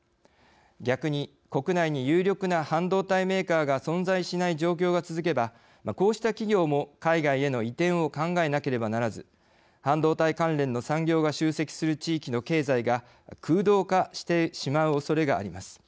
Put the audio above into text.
逆に、国内に有力な半導体メーカーが存在しない状況が続けばこうした企業も海外への移転を考えなければならず半導体関連の産業が集積する地域の経済が空洞化してしまうおそれがあります。